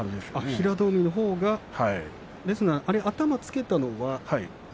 平戸海のほうがですね頭をつけたのは。